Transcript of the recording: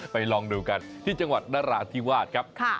ลองดูกันที่จังหวัดนราธิวาสครับ